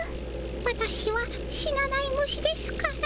わたしは死なない虫ですから。